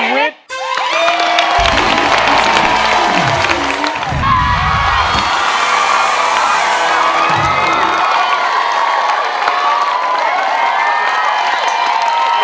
วิทย์